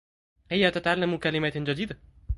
هي تتعلم كلمات جديدة.